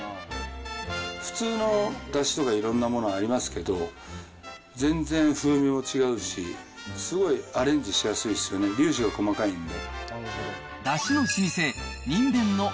普通のだしとかいろんなものありますけど、全然風味も違うし、すごいアレンジしやすいんですよね、粒子が細かいんで。